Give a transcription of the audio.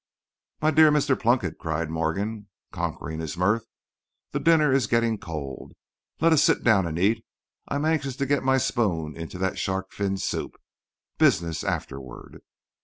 "My dear Mr. Plunkett," cried Morgan, conquering his mirth, "the dinner is getting, cold. Let us sit down and eat. I am anxious to get my spoon into that shark fin soup. Business afterward."